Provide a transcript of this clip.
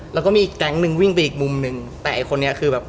แล้วก็มีแก๊งนึงวิ่งไปอีกมุมหนึ่งแต่ไอ้คนนี้คือแบบ